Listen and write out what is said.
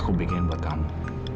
aku bikin buat kamu